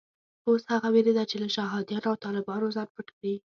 اوس هغه وېرېده چې له شهادیانو او طالبانو ځان پټ کړي.